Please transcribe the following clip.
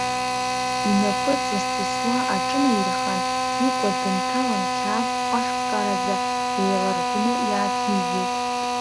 Инапы ҵысҵысуа аҿынаирхан, икәа дынҭалан қьаадк ҟәашккараӡа еиларҳәны иааҭигеит.